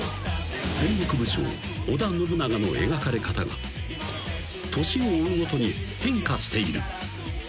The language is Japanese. ［戦国武将織田信長の描かれ方が年を追うごとに変化している］